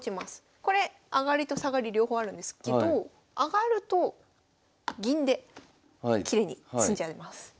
これ上がりと下がり両方あるんですけど上がると銀できれいに詰んじゃいます。